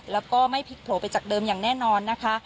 แล้วก็ไม่พลิกโผล่ไปจากเดิมอย่างแน่นอนนะคะ